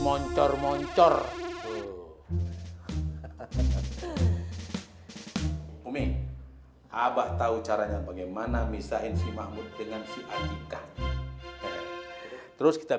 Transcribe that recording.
moncor moncor itu umi abah tahu caranya bagaimana misahin si mahmud dengan si andika terus kita